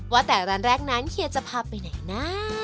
ว่าแต่ร้านแรกนั้นเฮียจะพาไปไหนนะ